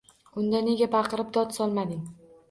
Unda nega baqirib, dod solmading?